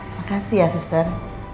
makasih ya suster